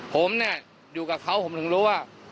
ผมเนี่ยอยู่กับเขาผมถึงรู้ว่า